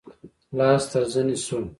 لاس تر زنې شو.